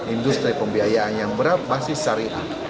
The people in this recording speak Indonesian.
industri pembiayaan yang berbasis syariah